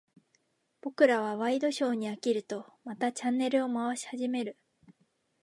僕らはワイドショーに飽きると、またチャンネルを回し始める。